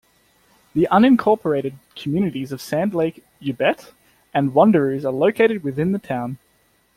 The unincorporated communities of Sand Lake, Ubet, and Wanderoos are located within the town.